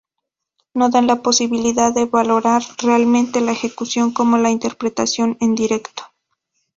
No dan la posibilidad de valorar realmente la ejecución como la interpretación en directo".